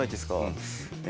え